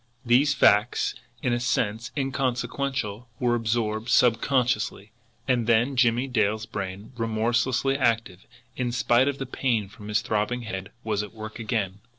These facts, in a sense inconsequential, were absorbed subconsciously; and then Jimmie Dale's brain, remorselessly active, in spite of the pain from his throbbing head, was at work again.